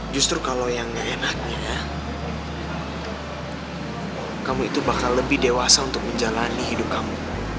justru kalau yang gak enaknya kamu itu bakal lebih dewasa untuk menjalani hidup kamu